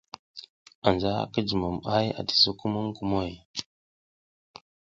Anja ki jumom ay ati sukumuŋ kumoy.